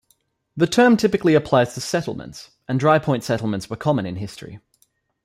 The term typically applies to settlements, and dry point settlements were common in history.